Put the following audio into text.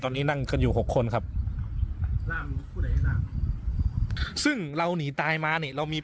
ตอนนี้นั่งกันอยู่หกคนครับซึ่งเราหนีตายมานี่เรามี